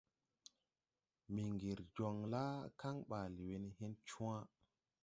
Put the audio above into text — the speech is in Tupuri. Mbiŋgiri joŋ la kaŋ ɓaale we ne hen cwã.